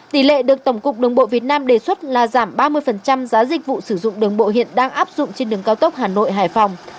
tỷ lệ được tổng cục đường bộ việt nam đề xuất là giảm ba mươi giá dịch vụ sử dụng đường bộ hiện đang áp dụng trên đường cao tốc hà nội hải phòng